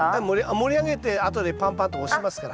盛り上げてあとでぱんぱんと押しますから。